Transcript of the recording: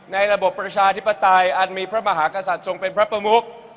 ระบบประชาธิปไตยอันมีพระมหากษัตริย์ทรงเป็นพระประมุก